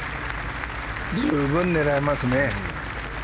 十分狙えますね。